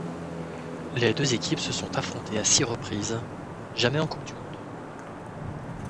Les deux équipes se sont affrontées à six reprises, jamais en Coupe du monde.